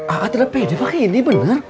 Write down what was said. a a tidak pede pakai ini bener